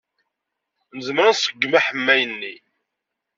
Nezmer ad nṣeggem aḥemmay-nni.